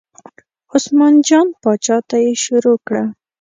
عثمان جان پاچا ته یې شروع کړه.